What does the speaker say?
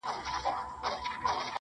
• په مردار ډنډ کي به څنګه ژوند کومه -